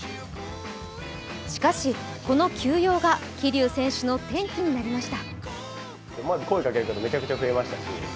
しかし、この休養が桐生選手の転機になりました。